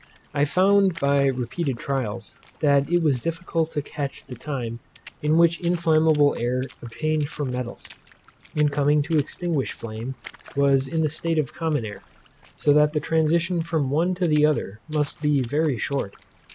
I found, by repeated trials, that it was difficult to catch the time in which inflammable air obtained from metals, in coming to extinguish flame, was in the state of common air, so that the transition from the one to the other must be very short.